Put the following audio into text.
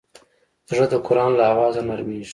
زړه د قرآن له اوازه نرمېږي.